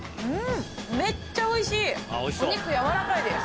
うんめっちゃおいしい。